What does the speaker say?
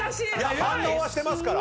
反応はしてますから。